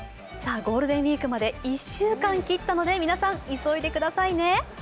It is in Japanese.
ゴールデンウイークまで１週間切ったので皆さん急いでくださいね。